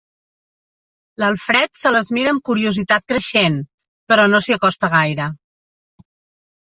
L'Alfred se les mira amb curiositat creixent, però no s'hi acosta gaire.